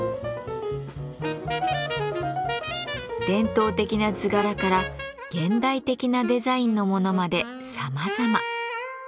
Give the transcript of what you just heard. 伝統的な図柄から現代的なデザインのものまでさまざま。